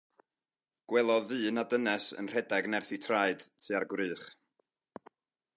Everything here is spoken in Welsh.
Gwelodd ddyn a dynes yn rhedeg nerth eu traed tua'r gwrych.